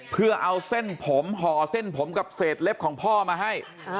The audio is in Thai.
เพื่อเอาเส้นผมห่อเส้นผมกับเศษเล็บของพ่อมาให้